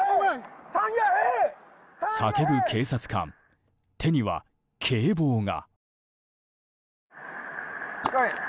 叫ぶ警察官、手には警棒が。